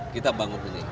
kita bangun ini